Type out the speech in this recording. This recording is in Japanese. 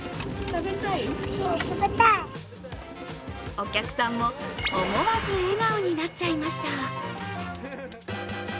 お客さんも思わず笑顔になっちゃいました。